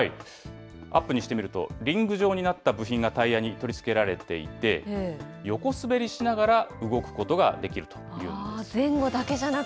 アップにしてみると、リング状になった部品がタイヤに取り付けられていて、横滑りしながら動くことができるというんです。